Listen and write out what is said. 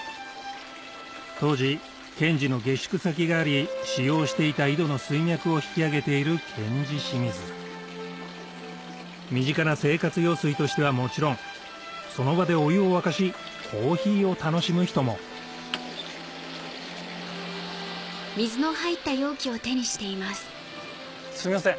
当時賢治の下宿先があり使用していた井戸の水脈を引き上げている賢治清水身近な生活用水としてはもちろんその場でお湯を沸かしコーヒーを楽しむ人もすみません